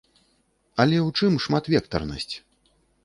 Але ў чым шматвектарнасць?